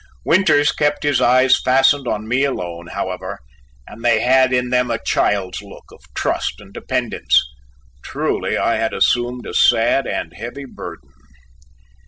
Winters kept his eyes fastened on me alone, however, and they had in them a child's look of trust and dependence. Truly I had assumed a sad and heavy burden.